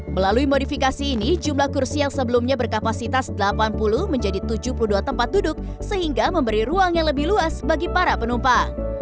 melalui modifikasi ini jumlah kursi yang sebelumnya berkapasitas delapan puluh menjadi tujuh puluh dua tempat duduk sehingga memberi ruang yang lebih luas bagi para penumpang